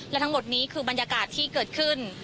และทั้งหมดนี้คือบรรยากาศที่เกิดขึ้น